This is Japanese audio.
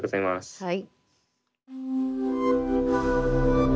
はい。